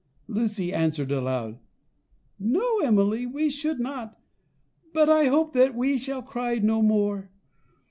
Lucy answered aloud: "No, Emily, we should not; but I hope that we shall cry no more.